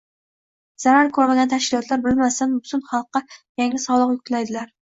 Zarar ko'rmagan tashkilotlar bilmasdan butun xalqqa yangi soliq yuklaydilar